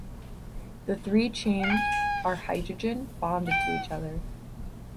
The three chains are hydrogen bonded to each other.